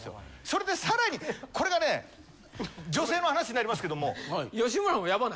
それでさらにこれがね女性の話になりますけども。